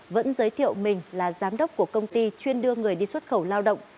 vẫn giới thiệu mình là giám đốc của công ty chuyên đưa người đi xuất khẩu lao động